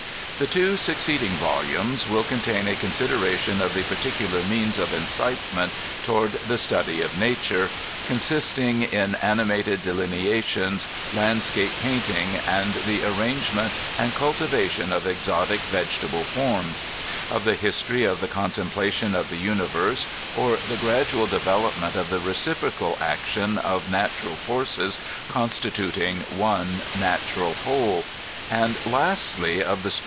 The two succeeding volumes will contain a eoiuadOTation of the particular means of incitement toward the st^dy of na ture (consisting in animated delineations, landscape painting, and the arrangement and cultivation of exotic vegetable forms), of the history of the contemplaticm of the universe, or the gradual development of the reciprocal action of natural farces constitating one natural whole ; and, lastly, of the spe author's PlIBFACE.